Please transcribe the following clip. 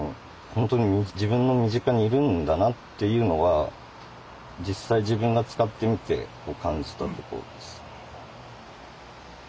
本当に自分の身近にいるんだなっていうのは実際自分が使ってみて感じたところです。